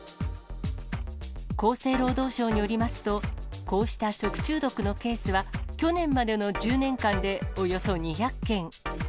厚生労働省によりますと、こうした食中毒のケースは、去年までの１０年間でおよそ２００件。